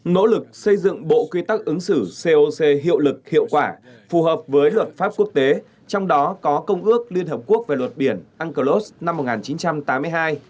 nỗ lực xây dựng bộ quy tắc ứng xử coc hiệu lực hiệu quả phù hợp với luật pháp quốc tế trong đó có công ước liên hợp quốc về luật biển unclos năm một nghìn chín trăm tám mươi hai